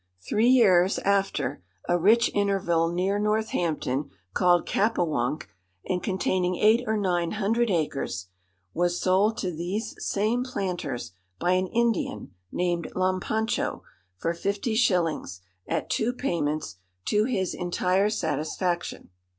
Three years after, a rich interval near Northampton, called Capawanke, and containing eight or nine hundred acres, was sold to these same planters by an Indian, named Lampancho, for fifty shillings, at two payments, "to his entire satisfaction."